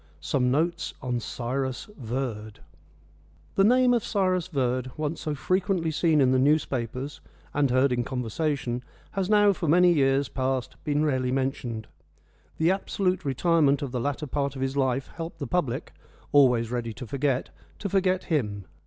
SOME NOTES ON CYRUS VERD The name of Cyrus Verd, once so frequently seen in the newspapers and heard in conversation, has now for many years past been rarely mentioned. The absolute retirement of the latter part of his life helped the public always ready to forget to forget him.